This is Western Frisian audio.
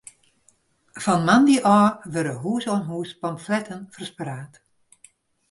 Fan moandei ôf wurde hûs oan hûs pamfletten ferspraat.